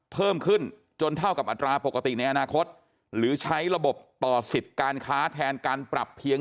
เพิ่มขึ้นจนเท่ากับอัตราปกติในอนาคตหรือใช้ระบบต่อสิทธิ์การค้าแทนการปรับเพียง